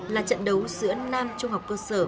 là trận đấu giữa nam trung học cơ sở